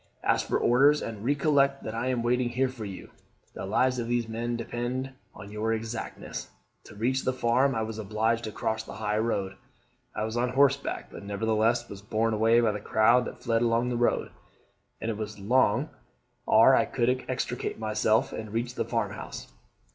Ask for orders, and recollect that I am waiting here for you. The lives of these men depend on your exactness.' To reach the farm I was obliged to cross the high road: I was on horseback, but nevertheless was borne away by the crowd that fled along the road, and it was long are I could extricate myself and reach the farmhouse.